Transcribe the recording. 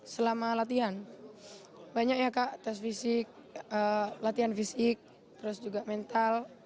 selama latihan banyak ya kak tes fisik latihan fisik terus juga mental